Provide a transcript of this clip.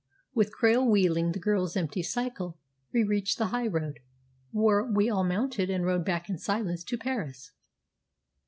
With Krail wheeling the girl's empty cycle, we reached the high road, where we all mounted and rode back in silence to Paris.